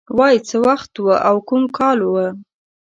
وای څه وخت و او کوم کوم کال و